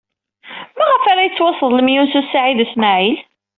Maɣef ara yettwasseḍlem Yunes u Saɛid u Smaɛil?